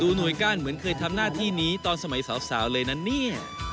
หน่วยก้านเหมือนเคยทำหน้าที่นี้ตอนสมัยสาวเลยนะเนี่ย